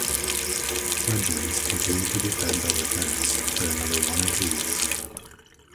Fledglings continue to be fed by their parents for another one or two weeks.